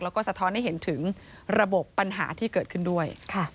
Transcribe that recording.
แล้วก็สะท้อนให้เห็นถึงระบบปัญหาที่เกิดขึ้นด้วย